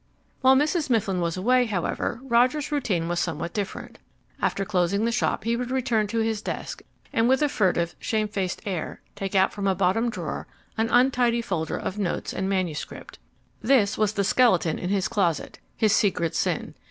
While Mrs. Mifflin was away, however, Roger's routine was somewhat different. After closing the shop he would return to his desk and with a furtive, shamefaced air take out from a bottom drawer an untidy folder of notes and manuscript. This was the skeleton in his closet, his secret sin.